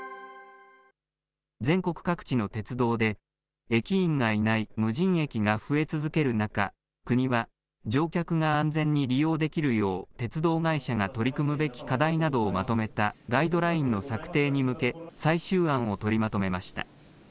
全国各地の鉄道で、駅員がいない無人駅が増え続ける中、国は乗客が安全に利用できるよう、鉄道会社が取り組むべき課題などをまとめたガイドラインの策定に向け、最終案を取りまとめました。